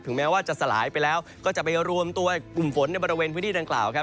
แม้ว่าจะสลายไปแล้วก็จะไปรวมตัวกลุ่มฝนในบริเวณพื้นที่ดังกล่าวครับ